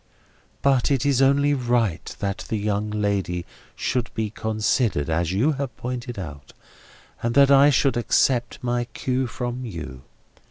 But it is only right that the young lady should be considered, as you have pointed out, and that I should accept my cue from you.